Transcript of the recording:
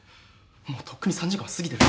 もうとっくに３時間を過ぎてる。